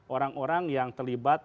orang orang yang terlibat